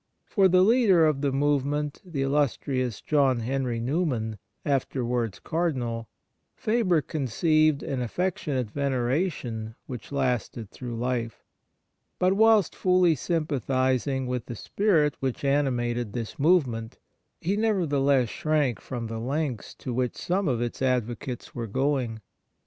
For the leader of the move ment, the illustrious John Henry Newman, afterwards Cardinal, Faber conceived an affectionate veneration which lasted through life. But whilst fully sympathizing with the spirit which animated this movement, he, nevertheless, shrank from the lengths to which some of its advocates were going.